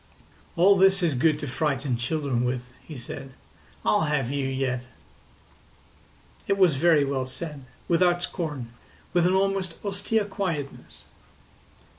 "All this is good to frighten children with," he said. "I'll have you yet." It was very well said, without scorn, with an almost austere quietness.